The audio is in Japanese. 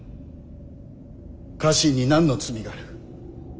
家臣に何の罪がある？